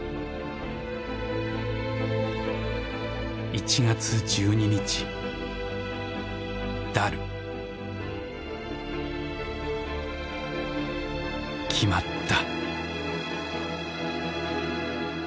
「１月１２日ダル決まった！」。